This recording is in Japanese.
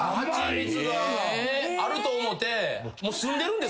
あると思て。